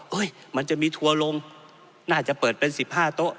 เฮ้ยมันจะมีทัวร์ลงน่าจะเปิดเป็นสิบห้าโต๊ะ